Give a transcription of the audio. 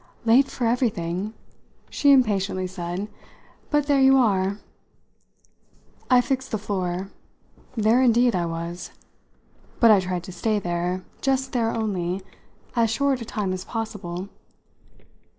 "Late for everything!" she impatiently said. "But there you are." I fixed the floor. There indeed I was. But I tried to stay there just there only as short a time as possible.